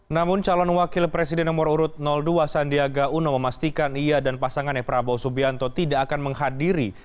namun calon wakil presiden nomor urut dua sandiaga uno memastikan ia dan pasangannya prabowo subianto tidak akan menghadiri